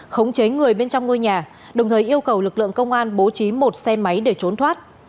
khống chế người bên trong ngôi nhà đồng thời yêu cầu lực lượng công an bố trí một xe máy để trốn thoát